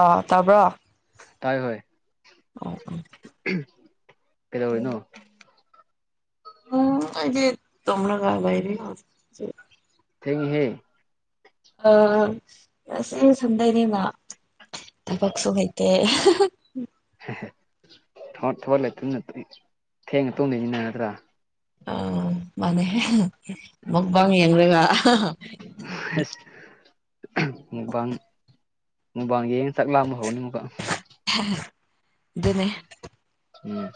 ꯑꯥ ꯇꯥꯕ꯭ꯔꯣ ꯇꯥꯏ ꯍꯣꯏ ꯑꯥ ꯀꯩꯗꯧꯔꯤꯅꯣ ꯎꯝ ꯑꯩꯗꯤ ꯇꯨꯝꯔꯒ ꯂꯩꯔꯤ ꯍꯧꯖꯤꯛ ꯊꯦꯡꯉꯦꯍꯦ ꯑ ꯉꯁ [unintelligible] ꯁꯝꯗꯩꯅꯤꯃ ꯊꯕꯛꯁꯨ ꯍꯩꯇꯦ ꯊ ꯊꯣꯠ [unintelligible] ꯂꯩꯇ ꯊꯦꯡꯅ ꯇꯨꯡꯗꯃꯤꯟꯅꯒꯗ꯭ꯔꯥ ꯑ ꯃꯥꯅꯦ ꯃꯨꯛꯕꯥꯥꯡ ꯌꯦꯡꯔꯒ ꯑꯁ ꯃꯨꯛꯕꯥꯡ ꯃꯨꯛꯕꯥꯡ ꯌꯦꯡꯉ ꯆꯥꯛ ꯂꯥꯝꯕ ꯍꯧꯔꯅꯤ ꯑꯃꯨꯛꯀ ꯗꯨꯅꯦ ꯎꯝ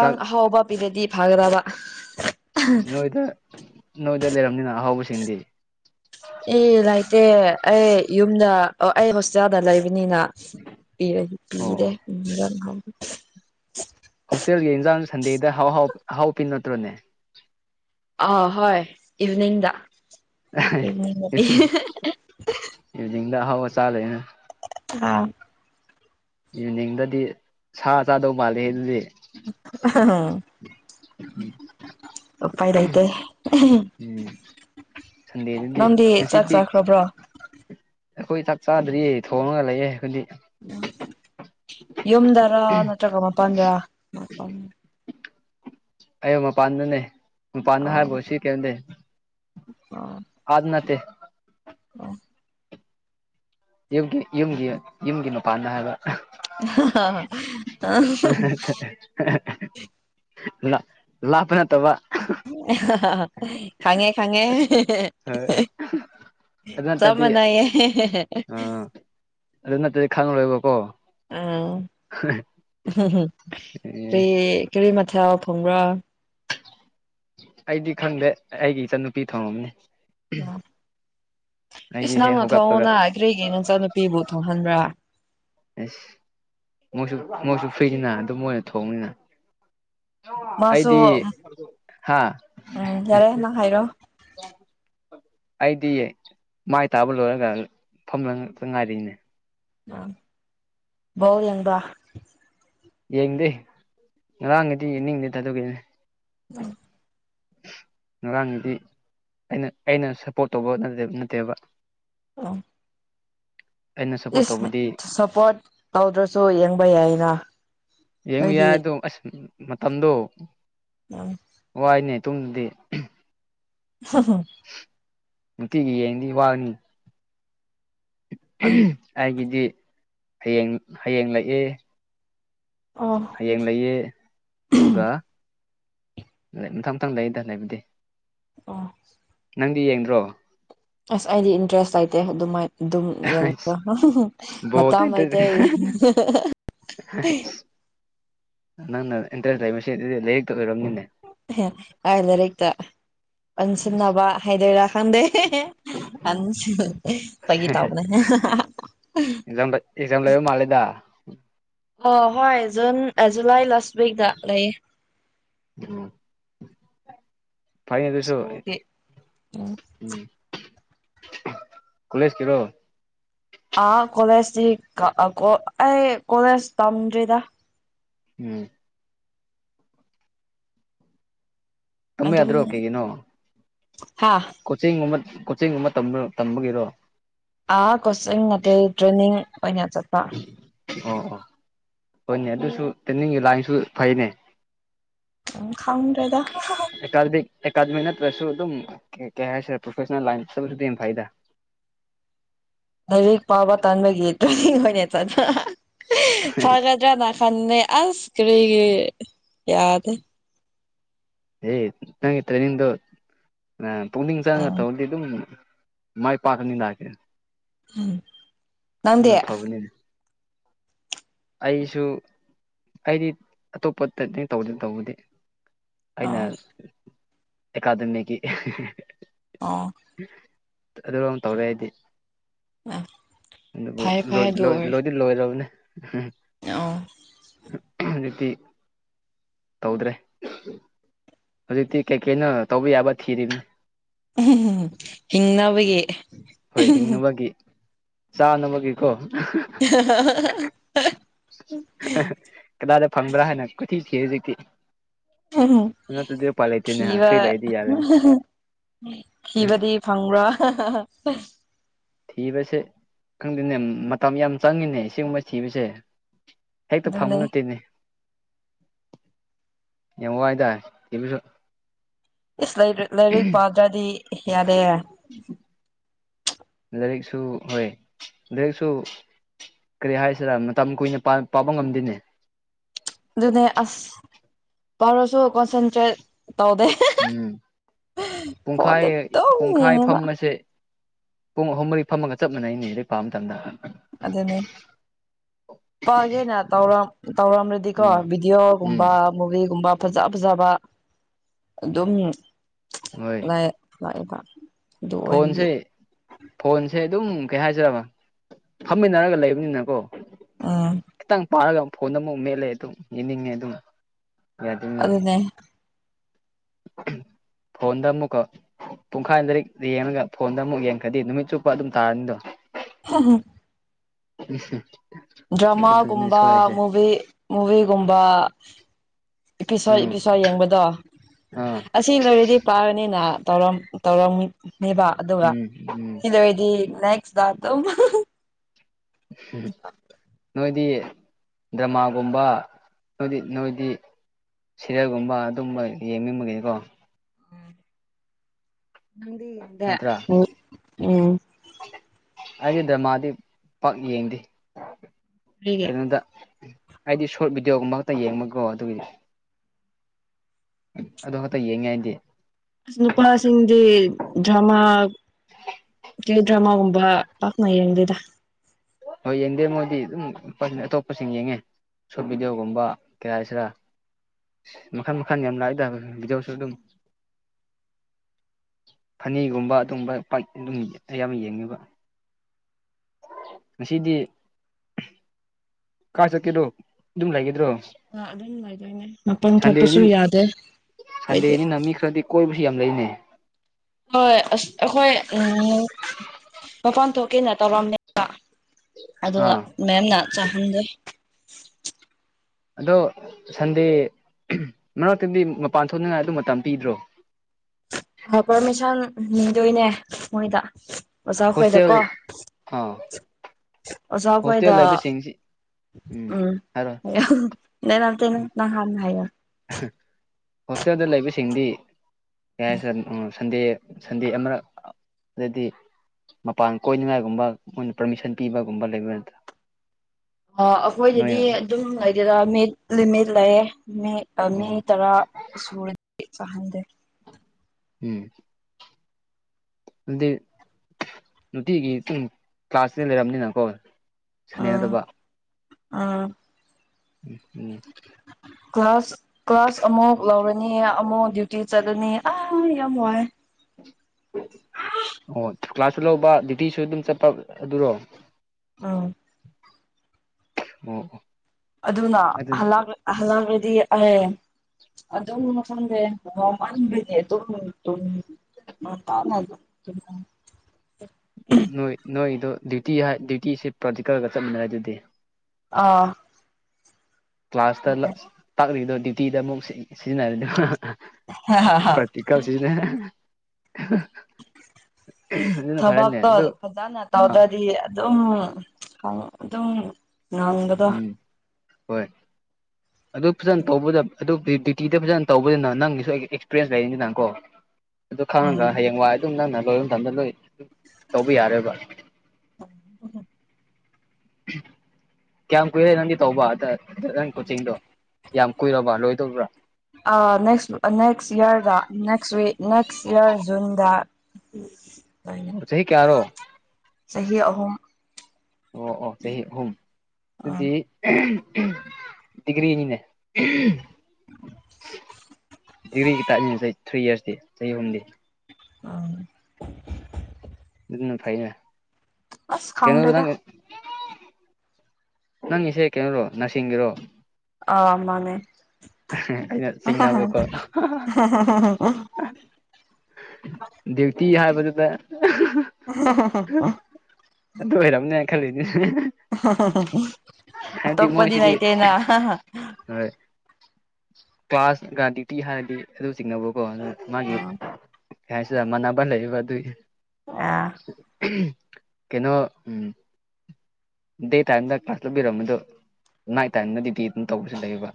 ꯆꯥꯛ ꯑꯍꯥꯎꯕ ꯄꯤꯗ꯭ꯔꯥꯗꯤ ꯐꯒꯗꯕ ꯏꯁ ꯅꯣꯏꯗ ꯅꯣꯏꯗ ꯂꯩꯔꯝꯅꯤꯅ ꯑꯍꯥꯎꯕꯁꯤꯡꯗꯤ ꯑꯦ ꯂꯩꯇꯦ ꯑꯩ ꯌꯨꯝꯗ ꯑꯩ ꯍꯣꯁꯇꯦꯜꯗ ꯂꯩꯕꯅꯤꯅ ꯄꯤꯔꯦ ꯑꯣ ꯑꯣ [unintelligible] ꯍꯣꯁꯇꯦꯜꯒꯤ ꯏꯟꯖꯥꯡ ꯁꯟꯗꯦꯗꯥ ꯍꯥꯎ ꯍꯥꯎ ꯑꯍꯥꯎ ꯄꯤ ꯅꯠꯇ꯭ꯔꯣꯅꯦ ꯑꯥꯎ ꯍꯣꯏ ꯏꯚꯤꯅꯤꯡꯗ ꯏꯚꯤꯅꯤꯡꯗ ꯄꯤ ꯏꯚꯤꯅꯤꯡꯗ ꯑꯍꯥꯎꯕ ꯆꯥꯗꯣꯏꯅ ꯑꯥ ꯏꯚꯤꯅꯤꯡꯗꯗꯤ ꯁꯥ ꯆꯥꯗꯧ ꯃꯥꯂꯦꯍꯦ ꯑꯗꯨꯗꯤ [unintelligible] ꯎꯄꯥꯏ ꯂꯩꯇꯦ ꯎꯝ ꯁꯟꯗꯦꯗꯗꯤ ꯅꯪꯗꯤ ꯆꯥꯛ ꯉꯁꯤꯗꯤ ꯆꯥꯈ꯭ꯔꯥꯕ꯭ꯔꯣ ꯑꯩꯈꯣꯏ ꯆꯥꯛ ꯆꯥꯗ꯭ꯔꯤꯌꯦ ꯊꯣꯡꯉꯒ ꯂꯩꯌꯦ ꯑꯈꯣꯏꯗꯤ ꯎꯝ ꯌꯨꯝꯗꯥꯔ ꯅꯠꯇ꯭ꯔꯥꯒ ꯃꯄꯥꯟꯗꯥꯔ [inaudible] ꯑꯩ ꯃꯄꯥꯟꯗꯅꯦ ꯃꯄꯥꯟꯗ ꯍꯥꯏꯔꯕꯣ ꯁꯤ [unintelligible] ꯑꯣ ꯑꯥꯗ ꯅꯠꯇꯦ ꯑꯣ ꯌꯨꯝꯒꯤ ꯌꯨꯝꯒꯤ ꯌꯨꯝꯒꯤ ꯃꯄꯥꯟꯗ ꯍꯥꯏꯕ ꯑꯥ ꯂꯥꯞ ꯂꯥꯞꯄ ꯅꯠꯇꯕ ꯈꯥꯉꯦ ꯈꯥꯉꯦ ꯍꯣꯏ ꯑꯗꯨ ꯆꯞ ꯅꯠꯇ꯭ꯔꯗꯤ ꯃꯅꯩꯌꯦ ꯑꯥ ꯑꯗꯨ ꯅꯠꯇ꯭ꯔꯥꯗꯤ ꯈꯥꯡꯉꯔꯣꯏꯕꯀꯣ ꯑꯝ ꯀ꯭ꯔꯤ ꯑꯦ ꯀꯔꯤ ꯃꯊꯦꯜ ꯊꯣꯡꯕ꯭ꯔꯥ ꯑꯩꯗꯤ ꯈꯪꯗꯦ ꯑꯩꯒꯤ ꯏꯆꯟꯅꯨꯄꯤ ꯊꯣꯡꯉꯝꯅꯤ ꯎꯝ ꯑꯩꯗꯤ ꯏꯁ ꯍꯦꯛ ꯅꯪꯅ ꯍꯧꯒꯠꯄꯒ ꯊꯣꯡꯑꯣꯅ ꯀ꯭ꯔꯤꯒꯤ ꯅꯆꯥꯟ ꯅꯨꯄꯤꯕꯨ ꯊꯣꯡꯍꯟꯕ꯭ꯔꯥ ꯑꯁ ꯃꯣꯏꯁꯨ ꯃꯣꯏꯁꯨ ꯐ꯭ꯔꯤꯅꯤꯅ ꯑꯗꯨꯝ ꯃꯣꯏꯅ ꯊꯣꯡꯅꯤꯅ ꯃꯥꯁꯨ ꯑꯩꯗꯤ ꯍꯥ ꯎꯝ ꯌꯥꯔꯦ ꯅꯪ ꯍꯥꯏꯔꯣ ꯑꯩꯗꯤ ꯃꯥꯏ ꯇꯥꯕ ꯂꯣꯏꯔꯒ ꯐꯝ [unintelligible] ꯉꯥꯏꯔꯤꯅꯦ ꯕꯣꯜ ꯌꯦꯡꯕ꯭ꯔꯥ ꯌꯦꯡꯗꯦ ꯉꯔꯥꯡꯒꯤꯗꯤ ꯌꯦꯡꯅꯤꯡꯗꯦꯗ ꯑꯗꯨꯒꯤꯅꯦ ꯎꯝ ꯉꯔꯥꯡꯒꯤꯗꯤ ꯑꯩꯅ ꯑꯩꯅ ꯁꯞꯄꯣꯔꯠ ꯇꯧꯕ ꯅꯠꯗꯦ ꯅꯠꯇꯦꯕ ꯑꯣ ꯑꯩꯅ ꯁꯞꯄꯣꯔꯠ ꯏꯁ ꯇꯧꯕꯗꯤ ꯁꯞꯄꯣꯔꯠ ꯇꯧꯗ꯭ꯔꯥꯁꯨ ꯌꯦꯡꯕ ꯌꯥꯏꯅ ꯌꯦꯡꯕ ꯅꯣꯏꯗꯤ ꯌꯥꯏ ꯑꯗꯣ ꯑꯁ ꯃꯇꯝꯗꯣ ꯎꯝ ꯋꯥꯏꯅꯦ ꯇꯨꯝꯗꯗꯤ [unintelligible] ꯅꯨꯡꯇꯤꯒꯤ ꯌꯦꯡꯉꯗꯤ ꯋꯥꯒꯅꯤ ꯎꯝ ꯑꯩꯒꯤꯗꯤ ꯍꯌꯦꯡ ꯍꯌꯦꯡ ꯂꯩꯛꯑꯦ ꯑꯣ ꯍꯌꯦꯡ ꯂꯩꯌꯦ ꯑꯗꯨꯒ ꯃꯊꯪ ꯃꯊꯪ ꯂꯩꯗ ꯂꯩꯕꯗꯤ ꯑꯣ ꯅꯪꯗꯤ ꯌꯦꯡꯗ꯭ꯔꯣ ꯑꯁ ꯑꯩꯗꯤ ꯏꯟꯇꯔꯦꯁ ꯂꯩꯇꯦ ꯑꯗꯨꯃꯥꯏ ꯑꯗꯨꯝ ꯌꯦꯡꯕ ꯕꯣꯜꯗ ꯃꯇꯝ ꯂꯩꯇꯦ ꯏꯟꯇꯔꯦꯁ ꯅꯪꯅ ꯏꯟꯇꯔꯦꯁ ꯂꯩꯕꯁꯤ ꯑꯗꯨꯗꯤ ꯂꯥꯏꯔꯤꯛꯇ ꯑꯣꯏꯔꯕꯅꯤꯅꯦ ꯂꯥꯏꯔꯤꯛꯇ ꯑꯣꯟꯁꯤꯟꯅꯕ ꯍꯥꯏꯗꯣꯏꯔꯥ ꯈꯪꯗꯦ ꯎꯝ ꯐꯥꯒꯤ ꯇꯧꯕꯅꯦ ꯑꯦꯛꯖꯥꯝ ꯑꯦꯛꯖꯥꯝ ꯂꯩꯕ ꯃꯥꯜꯂꯦꯗ ꯑꯣ ꯍꯣꯏ ꯖꯨꯟ ꯖꯨꯂꯥꯏ ꯂꯥꯁ ꯋꯤꯛꯇ ꯂꯩꯌꯦ ꯎꯝ ꯐꯩꯌꯦ ꯑꯗꯨꯁꯨ ꯁ꯭ꯀꯨꯜꯒꯤ ꯎꯝ ꯀꯣꯂꯦꯖ ꯀꯤꯔꯣ ꯑꯥ ꯀꯣꯂꯦꯖꯇꯤ ꯑꯩ ꯀꯣꯂꯦꯖ ꯇꯝꯗ꯭ꯔꯤꯗ ꯎꯝ ꯇꯝꯕ ꯑꯗꯨꯝ ꯌꯥꯗ꯭ꯔꯣ ꯀꯩꯒꯤꯅꯣ ꯍꯥꯥ ꯀꯣꯆꯤꯡꯒꯨꯝꯕ ꯀꯣꯆꯤꯡꯒꯨꯝꯕ ꯇꯝꯕꯔꯣ ꯇꯝꯕꯒꯤꯔꯣ ꯑꯥ ꯀꯣꯆꯤꯡ ꯅꯠꯇꯦ ꯇꯔꯦꯟꯅꯤ ꯑꯣꯏꯅ ꯆꯠ ꯑꯣ ꯑꯣ ꯍꯣꯏꯅꯦ ꯑꯗꯨꯁꯨ ꯇꯔꯦꯟꯅꯤꯡꯒꯤ ꯂꯥꯏꯟꯁꯨ ꯐꯩꯅꯦ ꯎꯝ ꯈꯪꯗ꯭ꯔꯦꯗꯥ ꯑꯦꯀꯥꯗꯃꯤꯛ ꯑꯦꯀꯥꯗꯃꯤꯛ ꯅꯠꯇ꯭ꯔꯁꯨ ꯑꯗꯨꯝ ꯀꯩ ꯍꯥꯏꯁꯤꯔꯦ ꯄ꯭ꯔꯣꯐꯦꯁꯅꯦꯜ ꯂꯥꯏꯟ ꯆꯠꯁꯨꯗꯤ ꯐꯩꯗ ꯂꯥꯏꯔꯤꯛ ꯄꯥꯕ ꯇꯥꯟꯕꯒꯤ ꯇꯔꯦꯅꯤꯡ ꯑꯣꯏꯅ ꯆꯠꯄ ꯐꯒꯗ꯭ꯔꯥꯅ ꯐꯟꯅꯦ ꯑꯁ ꯀꯔꯤꯒꯤ ꯌꯥꯗꯦ ꯑꯦ ꯅꯪꯒꯤ ꯇꯔꯦꯅꯤꯡꯗꯣ ꯑꯥ ꯄꯨꯛꯅꯤꯡ ꯆꯪꯉ ꯑꯥ ꯇꯧꯗꯤ ꯑꯗꯨꯝ ꯃꯥꯏ ꯄꯥꯛꯀꯅꯤꯅ ꯎꯝ ꯑꯗꯨꯅ ꯐꯕꯅꯦ ꯑꯩꯁꯨ ꯑꯩꯗꯤ ꯑꯇꯣꯞꯄ ꯇꯦꯅꯤꯡ ꯇꯧꯗꯦ ꯇꯧꯕꯗꯤ ꯑꯥ ꯑꯩꯅ ꯑꯦꯀꯥꯗꯃꯤꯒꯤ ꯑꯣ ꯑꯗꯨꯗꯨꯝ ꯇꯧꯔꯦ ꯑꯩꯗꯤ ꯑ ꯑꯗꯨꯕꯨ ꯐꯔꯦ ꯐꯔꯦ ꯑꯗꯨ ꯂꯣꯏ ꯑꯣꯏꯔꯦ ꯂꯣꯏꯗꯤ ꯂꯣꯏꯔꯕꯅꯦ ꯑꯣ ꯍꯧꯖꯤꯛꯇꯤ ꯇꯧꯗꯔꯦ ꯍꯧꯖꯤꯛꯇꯤ ꯀꯩꯀꯩꯅꯣ ꯇꯧꯕ ꯌꯥꯕ ꯊꯤꯔꯤꯞꯅꯤ ꯍꯤꯡꯅꯕꯒꯤ ꯍꯣꯏ ꯍꯤꯡꯅꯕꯒꯤ ꯆꯥꯅꯕꯒꯤꯀꯣ [inaudible] ꯀꯗꯥꯏꯗ ꯐꯪꯕ꯭ꯔꯥ ꯍꯥꯏꯅ ꯀꯣꯊꯤ ꯊꯤꯔꯦ ꯍꯧꯖꯤꯛꯇꯤ ꯅꯠꯇ꯭ꯔꯗꯤ ꯎꯄꯥꯏ ꯂꯩꯇꯦꯅꯦ ꯊꯤꯕ ꯐ꯭ꯔꯤ ꯂꯩꯔꯗꯤ ꯌꯥꯔꯦꯅꯦ ꯊꯤꯕꯗꯤ ꯐꯪꯕ꯭ꯔꯥ ꯊꯤꯕꯁꯦ ꯈꯪꯗꯦꯅꯦ ꯃꯇꯝ ꯌꯥꯝ ꯆꯪꯉꯤꯅꯦ ꯑꯁꯤꯡꯒꯨꯝꯕ ꯊꯤꯕꯁꯦ ꯍꯦꯛꯇ ꯐꯪꯕ ꯑꯗꯨꯅꯦ ꯅꯠꯇꯦꯅꯤ ꯌꯥꯝ ꯋꯥꯏꯗ [inaudible] ꯏꯁ ꯂꯥꯏꯔꯤꯛ ꯂꯥꯏꯔꯤꯛ ꯄꯥꯗꯔꯥꯗꯤ ꯌꯥꯗꯦ ꯂꯥꯏꯔꯤꯛꯁꯨ ꯍꯣꯏ ꯂꯥꯏꯔꯤꯛꯁꯨ ꯀꯔꯤ ꯍꯥꯏꯁꯤꯔ ꯃꯇꯝ ꯀꯨꯏꯅ ꯄꯥꯕ ꯉꯝꯗꯦꯅꯦ ꯑꯗꯨꯅꯦ ꯑꯁ ꯐꯔꯁꯨ ꯀꯣꯟꯁꯦꯟꯇ꯭ꯔꯦꯠ ꯇꯧꯗꯦ ꯎꯝ ꯐꯣꯟꯗ ꯄꯨꯡꯈꯥꯏ ꯑꯗꯨꯝ ꯄꯨꯡꯈꯥꯏ ꯌꯦꯡꯉꯦꯕ ꯐꯝꯕꯥꯁꯦ ꯄꯨꯡ ꯑꯍꯨꯝ ꯃꯔꯤ ꯐꯝꯃꯒ ꯆꯞ ꯃꯅꯩꯅꯦ ꯂꯥꯏꯔꯤꯛ ꯄꯥꯕꯗ ꯑꯗꯨꯅꯦ ꯄꯒꯦꯅ ꯇꯧꯔꯝ ꯇꯧꯔꯝꯔꯗꯤꯀꯣ ꯎꯝ ꯎꯝ ꯚꯤꯗꯤꯑꯣꯒꯨꯝꯕ ꯃꯨꯚꯤꯒꯨꯝꯕ ꯐꯖ ꯐꯖꯕ ꯑꯗꯨꯝ ꯍꯣꯏ ꯂꯥꯏ ꯂꯛ ꯏꯕꯥ ꯐꯣꯟꯁꯦ ꯐꯣꯟꯁꯦ ꯑꯗꯨꯝ ꯀꯩ ꯍꯥꯏꯖꯔꯕ ꯐꯝꯃꯤꯟꯅꯔꯒ ꯂꯩꯕꯅꯤꯅꯀꯣ ꯎꯝ ꯈꯤꯇꯪ ꯄꯥꯔꯒ ꯑꯃꯨꯛ ꯐꯣꯟꯗ ꯑꯃꯨꯛ ꯃꯦꯠꯂꯦ ꯑꯗꯨꯝ ꯌꯦꯡꯅꯤꯡꯉꯦ ꯑꯗꯨꯅ ꯌꯥꯗ [unintelligible] ꯑꯗꯨꯅꯦ ꯐꯣꯟꯗ ꯑꯃꯨꯛꯀ ꯄꯨꯡꯈꯥꯏ ꯂꯥꯏꯔꯤꯛ ꯌꯦꯡꯉꯒ ꯐꯣꯟꯗ ꯑꯃꯨꯛ ꯌꯦꯡꯈꯗꯤ ꯅꯨꯃꯤꯠ ꯆꯨꯞꯄ ꯑꯗꯨꯝ ꯇꯥꯔꯅꯤꯗꯣ [unintelligible] ꯑ ꯗ꯭ꯔꯃꯥꯒꯨꯝꯕ ꯃꯨꯚ ꯃꯨꯕꯤꯒꯨꯝꯕ ꯏꯄꯤꯁꯣꯠ ꯎꯝ ꯏꯄꯤꯁꯣꯠ ꯌꯦꯡꯕꯗꯣ ꯑꯥ ꯑꯁꯤ ꯂꯩꯣꯏꯔꯗꯤ ꯄꯥꯔꯥꯅꯤꯅ ꯇꯧꯔꯝꯅꯦꯕ ꯑꯗꯨꯒ ꯎꯝ ꯁꯤ ꯂꯣꯏꯔꯥꯗꯤ ꯅꯦꯛꯁꯇ ꯑꯗꯨꯝ ꯅꯣꯏꯗꯤ ꯗ꯭ꯔꯃꯥꯒꯨꯝꯕ ꯅꯣꯏꯗꯤ ꯅꯣꯏꯗꯤ ꯁꯤꯔꯦꯜꯒꯨꯝꯕ ꯑꯗꯨꯝꯕ ꯌꯦꯡꯅꯤꯡꯕꯒꯤꯅꯤꯀꯣ ꯗꯤꯗ ꯎ ꯎꯝ ꯑꯩꯒꯤ ꯗ꯭ꯔꯃꯥꯗꯤ ꯄꯥꯛ ꯌꯦꯡꯗꯦ ꯀꯔꯤꯒꯤ ꯀꯩꯅꯣꯗ ꯑꯩꯗꯤ ꯁꯣꯔꯠ ꯚꯤꯗꯤꯑꯣꯒꯨꯝꯕ ꯈꯛ ꯌꯦꯡꯕꯒꯣ ꯑꯗꯨꯒꯤꯗꯤ ꯑꯗꯨ ꯈꯛꯇ ꯌꯦꯡꯉ ꯑꯩꯗꯤ ꯅꯨꯄꯥꯥꯁꯤꯡꯗ ꯗꯔ꯭ꯃꯥ ꯀꯦ ꯗ꯭ꯔꯃꯥꯒꯨꯝꯕ ꯄꯥꯛꯅ ꯌꯦꯡꯗꯦꯗ ꯍꯣꯏ ꯌꯦꯡꯗꯦ ꯃꯣꯏꯗꯤ ꯑꯗꯨꯝ ꯑꯇꯣꯞꯄꯁꯤꯡ ꯌꯦꯡꯉꯦ ꯁꯣꯔꯠ ꯚꯤꯗꯤꯑꯣꯒꯨꯝꯕ ꯀꯩ ꯍꯥꯏꯁꯤꯔꯥ ꯃꯈꯜ ꯃꯈꯥ ꯌꯥꯝ ꯂꯥꯛꯑꯏꯗꯕ ꯕꯤꯗꯤꯑꯣꯁꯨ ꯑꯗꯨꯝ ꯐꯅꯤꯒꯨꯝꯕ ꯑꯗꯨꯝꯕ ꯄ ꯑꯗꯨꯝ ꯑꯌꯥꯝꯕ ꯌꯦꯡꯉꯕ ꯉꯁꯤꯗꯤ ꯀꯥꯏ ꯆꯠꯀꯦꯔꯣ ꯑꯗꯨꯝ ꯂꯩꯒꯗ꯭ꯔꯣ ꯑ ꯑꯗꯨꯝ ꯂꯗꯣꯏꯅꯦ ꯃꯄꯟ ꯊꯣꯛꯄꯁꯨ ꯁꯟꯗꯦꯅꯤ ꯌꯥꯗꯦ ꯑꯥꯈꯣꯏꯗꯤ ꯁꯟꯗꯦꯅꯤꯅ ꯃꯤ ꯈ꯭ꯔꯗꯤ ꯀꯣꯏꯕꯥꯁꯨ ꯌꯥꯝ ꯂꯩꯅꯩ ꯍꯣꯏ ꯑ ꯑꯩꯈꯣꯏ ꯎꯝ ꯃꯄꯥꯟ ꯊꯣꯛꯀꯦꯅ ꯇꯧꯔꯝꯅꯦꯕ ꯑꯗꯨ ꯑꯥ ꯃꯦꯝꯅ ꯆꯥꯍꯟꯗꯦ ꯑꯗꯣ ꯁꯟꯗꯦ ꯃꯔꯛꯇꯗꯤ ꯃꯄꯥꯟ ꯊꯣꯛꯅꯤꯡꯉꯥꯏ ꯑꯗꯨ ꯃꯇꯝ ꯄꯤꯗ꯭ꯔꯣ ꯄꯥꯔꯃꯤꯁꯟ ꯅꯤꯗꯣꯏꯅꯦ ꯃꯣꯏꯗ ꯑꯣꯖꯥ ꯍꯣꯁꯇꯦꯜ ꯍꯣꯏꯗꯀꯣ ꯑꯥ ꯍꯣꯁꯇꯦꯜ ꯑꯣꯖꯈꯣꯏꯗ ꯂꯩꯕꯁꯤꯡꯁꯤ ꯎꯝ ꯍꯥꯏꯔꯣ ꯎꯝ [unintelligible] ꯅꯪ ꯍꯥꯥꯟꯅ ꯍꯥꯏꯌꯣ ꯍꯣꯁꯇꯦꯜꯗ ꯂꯩꯕꯁꯤꯡꯗꯤ ꯀꯩ ꯍꯥꯏꯁꯤꯔꯥ ꯁꯟꯗꯦ ꯁꯟꯗꯦ ꯑꯃꯔꯛ ꯑꯗꯗꯤ ꯃꯄꯥꯟ ꯀꯣꯏꯅꯤꯡꯉꯥꯏꯒꯨꯝꯕ ꯃꯣꯏꯅ ꯄꯔꯃꯤꯁꯟ ꯄꯤꯕꯒꯨꯝꯕ ꯂꯩꯕ ꯅꯠꯇ꯭ꯔꯥ ꯑꯥ ꯅꯣꯏ ꯑꯈꯣꯢꯒꯤꯗꯤ ꯑꯣ ꯗꯨꯝ ꯂꯩꯒꯦꯔ ꯃꯤꯠ ꯂꯤꯃꯤꯠ ꯂꯩꯌꯦ ꯃꯤꯠ ꯃꯤ ꯇꯔꯥ ꯁꯨꯔꯗꯤ ꯆꯥꯍꯟꯗꯦ ꯎꯝ ꯑꯗꯨꯗꯤ ꯅꯨꯡꯇꯤꯒꯤ ꯄꯨꯡ ꯀ꯭ꯂꯥꯁꯇ ꯂꯩꯔꯝꯅꯤꯅꯀꯣ ꯑꯥ ꯑꯥ [unintelligible] ꯀ꯭ꯂꯥꯁ ꯀ꯭ꯂꯥꯁ ꯑꯃꯨꯛ ꯂꯧꯔꯅꯤ ꯑꯃꯨꯛ ꯗ꯭ꯌꯨꯇꯤ ꯆꯠꯂꯅꯤ ꯑꯥ ꯌꯥꯝ ꯋꯥꯏ ꯑꯣ ꯀ꯭ꯂꯥꯁꯁꯨ ꯂꯧꯕ ꯗ꯭ꯌꯨꯇꯤꯁꯨ ꯑꯗꯨꯝ ꯆꯠꯄ ꯑꯗꯨꯔꯣ [unintelligible] ꯑꯣꯑꯣ ꯑꯗꯨꯅ ꯍꯜꯂꯛ ꯍꯜꯂꯛꯂꯗꯤ ꯑꯦ ꯑꯗꯨꯝꯕ ꯐꯪꯗꯦ ꯋꯥꯃꯟꯕꯒꯤ ꯑꯗꯨꯝ ꯇꯨꯝꯃꯦ [unintelligible] ꯅꯣꯏ ꯅꯣꯏꯗꯣ ꯗ꯭ꯌꯨꯇꯤ ꯍꯥꯏ ꯗ꯭ꯌꯨꯇꯤꯁꯦ ꯄ꯭ꯔꯥꯇꯤꯀꯦꯜꯒ ꯆꯠꯃꯤꯟꯅꯔꯦ ꯑꯗꯨꯗꯤ ꯑꯥ ꯀ꯭ꯂꯥꯁꯇ ꯇꯥꯛꯂꯤꯗꯣ ꯗ꯭ꯌꯨꯇꯤꯗ ꯑꯃꯨꯛ ꯁꯤꯖꯤꯟꯅꯔꯦ [unintelligible] ꯇꯤꯀꯜꯁꯤꯅꯦ ꯊꯕꯛꯇꯣ ꯐꯖꯅ ꯑꯥ ꯇꯧꯗ꯭ꯔꯗꯤ ꯑꯗꯨꯝ ꯑꯗꯨꯝ [unintelligible] ꯎꯝ ꯍꯣꯏ ꯑꯗꯨ ꯐꯖꯅ ꯇꯧꯕꯗ ꯑꯗꯨ ꯄꯦ ꯗꯤ ꯇꯤꯗ ꯐꯖꯅ ꯇꯧꯕꯅꯤꯅ ꯅꯪꯒꯤꯁꯨ ꯑꯩꯒꯤ ꯑꯦꯛꯁꯄ꯭ꯔꯤꯌꯦꯟꯁ ꯂꯩꯔꯅꯤꯅꯀꯣ ꯑꯗꯨ ꯎꯝ ꯈꯪꯉꯒ ꯍꯌꯦꯡ ꯋꯥꯏ ꯑꯗꯨꯝ ꯅꯪꯅ ꯂꯣꯏꯕ ꯃꯇꯝꯗ ꯂꯣꯏ ꯇꯧꯕ ꯌꯥꯔꯦꯕ ꯀꯌꯥꯝ ꯀꯨꯏꯔꯦ ꯅꯪꯗꯤ ꯇꯧꯕ ꯑꯗ ꯅꯪ ꯀꯣꯆꯤꯡꯗꯣ ꯌꯥꯝ ꯀꯨꯏꯔꯕ ꯂꯣꯏꯗꯧꯕ꯭ꯔꯥ ꯑꯥ ꯅꯦꯛꯁ ꯅꯦꯛꯁ ꯏꯌꯔꯗ ꯅꯦꯛꯁ ꯋꯤꯛ ꯅꯦꯛꯁ ꯏꯌꯔ ꯖꯨꯟꯗ ꯎꯝ ꯑꯣ ꯆꯍꯤ ꯀꯌꯥꯔꯣ ꯆꯍꯤ ꯑꯍꯨꯝ ꯑꯣ ꯑꯣ ꯆꯍꯤ ꯑꯍꯨꯝ ꯎꯝ ꯑꯗꯨꯗꯤ ꯗꯤꯒ꯭ꯔꯤꯅꯤꯅꯦ ꯗꯤꯒ꯭ꯔꯤ [unintelligible] ꯊ꯭ꯔꯤ ꯏꯌꯔꯁꯅꯦ ꯆꯍꯤ ꯑꯍꯨꯝꯅꯤ ꯎꯝ ꯑꯗꯨꯅ ꯐꯥꯏꯅꯦ ꯑꯁ ꯀꯩꯅꯣ ꯈꯪꯗ꯭ꯔꯦꯗ ꯅꯪ ꯅꯪꯒꯤꯁꯦ ꯀꯩꯅꯣꯔꯣ ꯅꯁꯤꯡꯒꯤꯔꯣ ꯑꯥ ꯃꯥꯅꯦ ꯑꯩꯅꯥ ꯆꯤꯡꯅꯥꯕꯀꯣ ꯗ꯭ꯌꯨꯇꯤ ꯍꯥꯏꯕꯗꯨꯗꯥ [unintelligible] ꯑꯗꯨ ꯑꯣꯏꯔꯝꯅꯦ ꯈꯜꯂꯤꯅꯦ ꯑꯇꯣꯞꯄꯗꯤ ꯃꯣꯏꯁꯤꯗꯤ ꯂꯩꯇꯦꯗ ꯍꯣꯏ ꯀ꯭ꯂꯥꯁꯀꯥ ꯗ꯭ꯌꯨꯇꯤ ꯍꯥꯏꯕꯗꯨꯒꯤ ꯑꯗꯨ ꯆꯤꯡꯅꯥꯕꯥꯀꯣ ꯃꯥꯒꯤ ꯀꯩꯍꯥꯏꯁꯤꯔꯥ ꯃꯥꯟꯅꯕ ꯂꯩꯕ ꯑꯗꯨꯒꯤ [unintelligible] ꯀꯩꯅꯣ ꯎꯝ ꯗꯦ ꯇꯥꯏꯝꯗ ꯀ꯭ꯂꯥꯁ ꯂꯧꯕꯤꯔꯝꯕꯗꯣ ꯅꯥꯏꯠ ꯇꯥꯏꯝꯗꯥꯗꯤ [unintelligible] ꯑꯗꯨꯝ ꯇꯧꯕꯁꯨ ꯂꯩꯌꯦꯕꯥ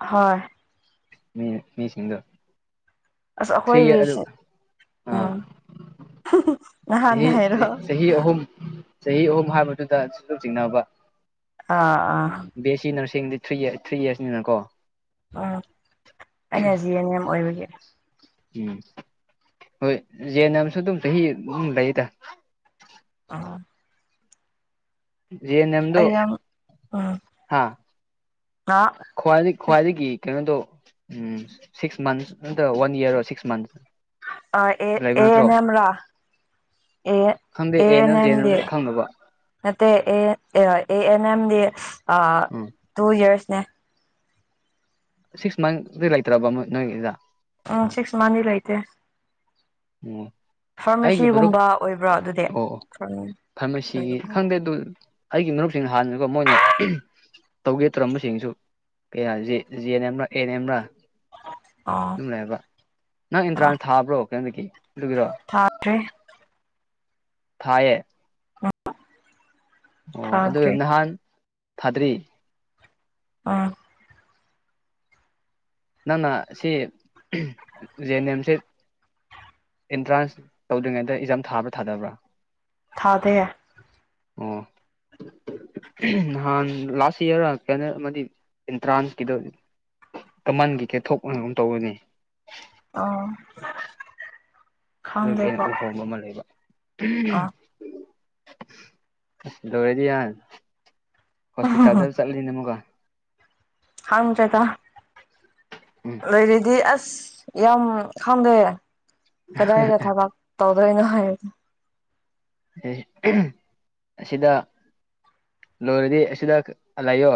ꯍꯣꯏ ꯃꯤ ꯃꯤꯁꯤꯡꯗ ꯑꯁ ꯑꯈꯣꯏꯒꯤꯁꯦ ꯑꯥ ꯎꯝ ꯅꯪ ꯍꯥꯟꯅꯥ ꯆꯍꯤ ꯍꯥꯏꯔꯣ ꯆꯍꯤ ꯑꯍꯨꯝ ꯆꯍꯤ ꯑꯍꯨꯝ ꯍꯥꯏꯕꯗꯨꯗ ꯁꯨꯝ ꯆꯤꯡꯅꯕ ꯑꯥ ꯑꯥ ꯕꯤqꯑꯦꯁꯤ ꯅꯔꯁꯤꯡꯗꯤ ꯊ꯭ꯔꯤ ꯊ꯭ꯔꯤ ꯏꯌꯥꯔꯁꯅꯤꯅꯀꯣ ꯎꯝ ꯑꯩꯅꯥ ꯖꯤ ꯑꯦꯟ ꯑꯦꯝ ꯑꯣꯏꯕꯒꯤ ꯎꯝ ꯍꯣꯏ ꯖꯤ ꯑꯦꯟ ꯑꯦꯝ ꯁꯨ ꯑꯗꯨꯝ ꯆꯥꯍꯤ ꯑꯍꯨꯝ ꯂꯩꯌꯦꯗꯥ ꯑꯥ ꯖ ꯑꯦꯟ ꯑꯦꯝꯗꯨ ꯑꯩ ꯌꯥꯝ ꯎꯝ ꯍꯥ ꯑ ꯈ꯭ꯋꯥꯏ ꯈ꯭ꯋꯥꯏꯗꯒꯤ ꯀꯩꯅꯣꯗꯣ ꯎꯝ ꯁꯤꯛꯁ ꯃꯟꯁ ꯅꯠꯇ꯭ꯔ ꯋꯥꯟ ꯌꯥꯔꯔꯣ ꯁꯤꯛꯁ ꯃꯟꯁ ꯑꯥ ꯑꯦ ꯂꯩꯕ ꯅꯠꯇ꯭ꯔꯣ ꯑꯦꯟ ꯑꯦꯝ ꯔꯥ ꯑꯦ ꯈꯪꯗꯦ ꯑꯦ ꯑꯦꯅ ꯑꯦꯟ ꯑꯦꯝ ꯖꯦꯅ ꯗꯤ ꯈꯪꯗꯕ ꯅꯠꯇꯦ ꯑꯦ ꯑꯦ ꯑꯦꯟ ꯑꯦꯝꯗꯤ ꯑꯥ ꯎꯝ ꯇꯨ ꯌꯥꯔꯁꯅꯦ ꯁꯤꯛꯁ ꯃꯟꯗꯤ ꯂꯩꯇ꯭ꯔꯕ ꯅꯣꯏꯒꯤꯗ ꯑꯥ ꯁꯤꯛꯁ ꯃꯟꯗꯤ ꯂꯩꯇꯦ ꯑꯣ ꯑꯩꯒꯤ ꯃꯔꯨꯞ ꯐꯥꯔꯃꯥꯁꯤꯒꯨꯝꯕ ꯑꯣꯏꯕ꯭ꯔꯣ ꯑꯗꯨꯗꯤ ꯑꯣ ꯐꯥꯔꯃꯥꯁꯤꯒꯤ ꯈꯪꯗꯦ ꯑꯗꯨ ꯑꯩꯒꯤ ꯃꯔꯨꯞꯁꯤꯡꯅ ꯍꯥꯟꯅꯥꯀꯦ ꯃꯣꯏꯅꯥ ꯇꯧꯒꯦ ꯇꯧꯔꯝꯕꯁꯤꯡꯁꯨ ꯀꯌꯥ ꯖꯤ ꯑꯦꯟ ꯑꯦꯝꯔꯥ ꯑꯦ ꯑꯦꯟ ꯑꯦꯝꯔꯥ ꯑꯣ ꯑꯗꯨꯝ ꯂꯩꯌꯦꯕ ꯅꯪ ꯏꯟꯇ꯭ꯔꯥꯁ ꯊꯥꯕ꯭ꯔꯣ ꯀꯩꯅꯣꯒꯤ ꯑꯗꯨꯒꯤꯔꯣ ꯊꯥ ꯗꯔꯤ ꯊꯥꯏꯌꯦ ꯎꯝ ꯑꯣ ꯑꯗꯨ ꯊꯥꯗ꯭ꯔꯤ ꯅꯍꯥꯟ ꯊꯥꯗ꯭ꯔꯤ ꯑꯥ ꯅꯪꯅ ꯁꯤ ꯖꯦ ꯑꯟ ꯅꯦꯝ ꯁꯤ ꯑꯦꯟꯇ꯭ꯔꯥꯟꯁ ꯇꯧꯗ꯭ꯔꯤꯉꯩꯗ ꯑꯦꯛꯖꯥꯝ ꯊꯥꯕ꯭ꯔꯥ ꯊꯥꯗꯕ꯭ꯔꯥ ꯊꯥꯗꯦ ꯑꯣ ꯅꯍꯥꯟ ꯂꯥꯁ ꯌꯥꯔꯔꯥ ꯀꯩꯅꯣ ꯑꯃꯥꯗꯤ ꯑꯦꯟꯇ꯭ꯔꯥꯟꯁꯀꯤꯗꯣ ꯀꯥꯃꯟꯒꯤ ꯀꯩꯊꯣꯛꯅꯒꯨꯝ ꯇꯧꯕꯅꯦ ꯑꯥ ꯑꯗꯨꯒꯤ ꯑꯩꯅ ꯎꯍꯧꯕ ꯑꯃ ꯂꯩꯕꯥ ꯑ [unintelligible] ꯍꯣꯁꯄꯤꯇꯥꯜꯗꯥ ꯆꯠꯂꯥꯅꯤꯅꯦ ꯑꯃꯨꯒ ꯈꯪꯗꯔꯦꯗꯥ ꯎꯝ ꯂꯩꯔꯦꯗꯤ ꯑꯁ ꯌꯥꯝ ꯈꯪꯗꯦ ꯀꯗꯥꯏꯗꯥ ꯊꯥꯕꯛ ꯇꯧꯗꯣꯏꯅꯣ ꯍꯥꯏ ꯑꯦ ꯑꯁꯤꯗ ꯂꯣꯏꯔꯗꯤ ꯑꯁꯤꯗ ꯂꯩꯌꯣ